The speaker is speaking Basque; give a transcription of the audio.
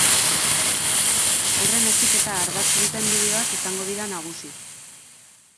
Gainera, haurren heziketa ardatz duten bideoak izango dira nagusi.